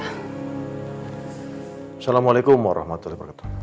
assalamualaikum warahmatullahi wabarakatuh